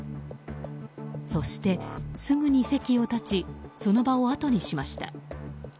そして、すぐに席を立ちその場をあとにしました。